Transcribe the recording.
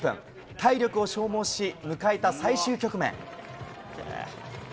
体力を消耗し、迎えた最終局面。